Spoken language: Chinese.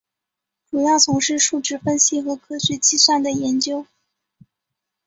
主要从事数值分析和科学计算的研究。